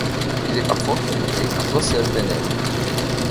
Il est parfois crédité Russell Bennett.